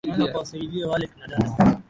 Nenda ukawasaidie wale kina dada.